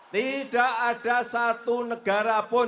tidak ada satu negara pun